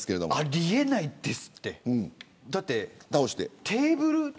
あり得ないです。